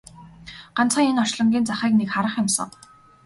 Ганцхан энэ орчлонгийн захыг нэг харах юмсан!